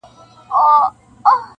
دواړي تلي مي سوځیږي په غرمو ولاړه یمه.!